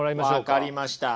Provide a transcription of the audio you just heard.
分かりました。